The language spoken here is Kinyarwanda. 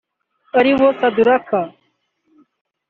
ari bo Saduraka